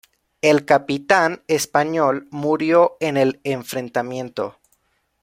El capitán español murió en el enfrentamiento.